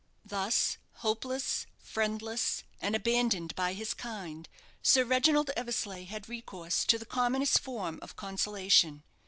Thus hopeless, friendless, and abandoned by his kind, Sir Reginald Eversleigh had recourse to the commonest form of consolation.